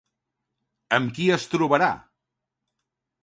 Amb qui es trobarà?